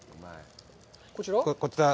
こちら？